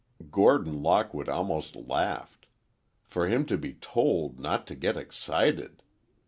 Gordon Lockwood almost laughed. For him to be told not to get excited!